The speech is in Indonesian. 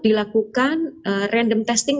dilakukan random testing